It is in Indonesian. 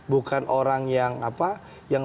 bukan orang yang